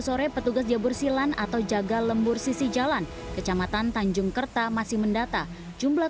sore petugas jebursilan atau jaga lembur sisi jalan kecamatan tanjung kerta masih mendata jumlah